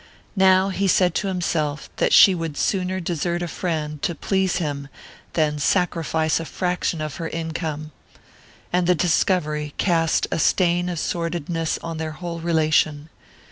Now he said to himself that she would sooner desert a friend to please him than sacrifice a fraction of her income; and the discovery cast a stain of sordidness on their whole relation.